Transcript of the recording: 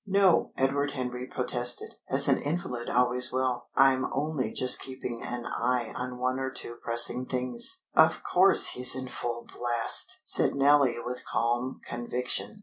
"No!" Edward Henry protested, as an invalid always will. "I'm only just keeping an eye on one or two pressing things." "Of course he's in full blast!" said Nellie with calm conviction.